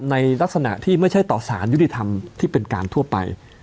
ในลักษณะที่ไม่ใช่ต่อสารยุติธรรมที่เป็นการทั่วไป